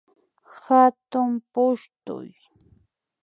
Hatuy pushtu